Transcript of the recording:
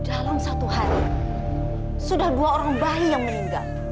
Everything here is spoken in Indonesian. dalam satu hari sudah dua orang bayi yang meninggal